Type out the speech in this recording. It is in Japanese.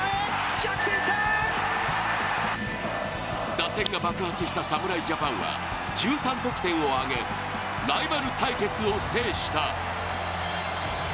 打線が爆発した侍ジャパンは１３得点を挙げ、ライバル対決を制した。